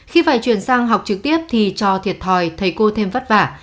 khi phải chuyển sang học trực tiếp thì cho thiệt thòi thầy cô thêm vất vả